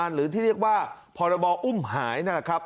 หรือที่เรียกว่าพรบออุ้มหาย